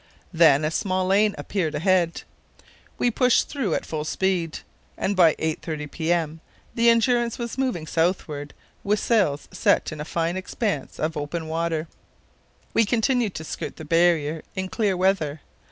Then a small lane appeared ahead. We pushed through at full speed, and by 8.30 p.m. the Endurance was moving southward with sails set in a fine expanse of open water. We continued to skirt the barrier in clear weather.